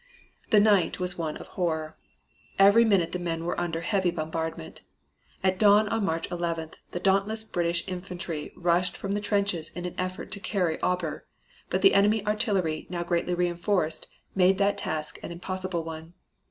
The night was one of horror. Every minute the men were under heavy bombardment. At dawn on March 11th the dauntless British infantry rushed from the trenches in an effort to carry Aubers, but the enemy artillery now greatly reinforced made that task an impossible one.